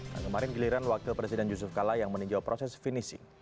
nah kemarin giliran wakil presiden yusuf kala yang meninjau proses finishing